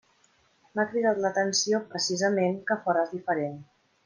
M'ha cridat l'atenció, precisament, que fores diferent.